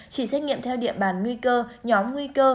chỉ xét nghiệm theo địa bàn nguy cơ nhóm nguy cơ